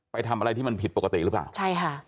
ไปทำอะไรที่มันผิดปกติหรือเปล่าใช่ค่ะ